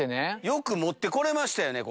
よく持って来れましたね